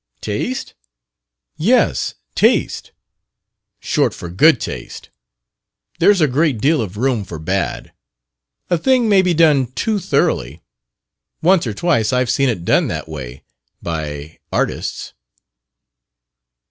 "Taste?" "Yes, taste. Short for good taste. There's a great deal of room for bad. A thing may be done too thoroughly. Once or twice I've seen it done that way, by artists."